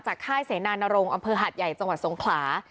ค่ายเสนานรงค์อำเภอหาดใหญ่จังหวัดสงขลา